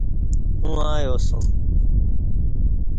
اوں ایاسوم